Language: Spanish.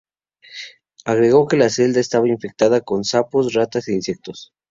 Agregó que la celda estaba infectada con sapos, ratas e insectos.